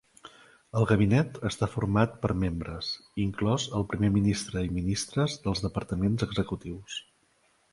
El gabinet està format per membres, inclòs el primer ministre i ministres dels departaments executius.